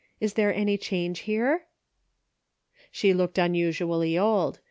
Is there any change here ?" She looked unusually old.